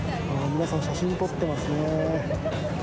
皆さん、写真を撮ってますねー。